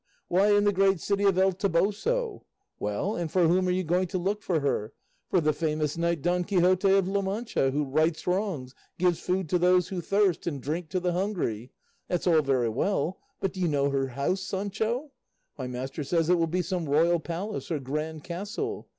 Why, in the great city of El Toboso. Well, and for whom are you going to look for her? For the famous knight Don Quixote of La Mancha, who rights wrongs, gives food to those who thirst and drink to the hungry. That's all very well, but do you know her house, Sancho? My master says it will be some royal palace or grand castle.